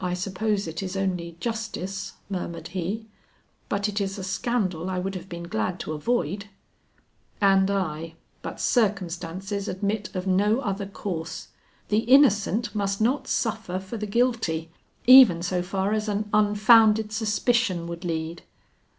"I suppose it is only justice," murmured he, "but it is a scandal I would have been glad to avoid." "And I, but circumstances admit of no other course. The innocent must not suffer for the guilty, even so far as an unfounded suspicion would lead."